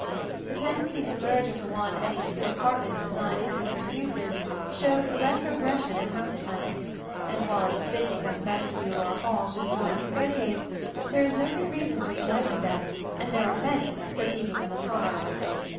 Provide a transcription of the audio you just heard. The tendency to merge into one any two apartments designed for different uses shows a retrogression in house planning; and while it is fitting that the vestibule or hall should adjoin the staircase, there is no good reason for uniting them and there are many for keeping them apart.